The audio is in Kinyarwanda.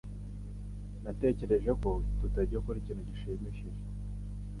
Natekereje ko tugiye gukora ikintu gishimishije.